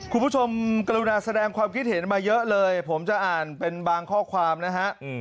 คุณผู้ชมกรุณาแสดงความคิดเห็นมาเยอะเลยผมจะอ่านเป็นบางข้อความนะฮะ